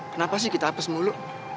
kenapa sih kita hapus mulu